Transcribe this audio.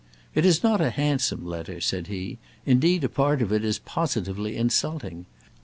"It is not a handsome letter," said he; "indeed, a part of it is positively insulting.